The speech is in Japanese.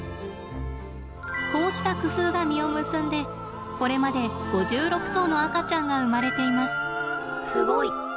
こうした工夫が実を結んでこれまで５６頭の赤ちゃんが生まれています。